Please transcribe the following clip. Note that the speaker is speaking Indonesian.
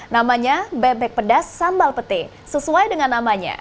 namanya bebek pedas sambal pete sesuai dengan namanya